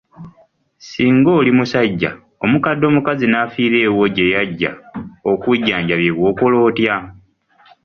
Singa oli musajja, omukadde omukazi n'afiira ewuwo gye yajja okujjanjabibwa okola otya?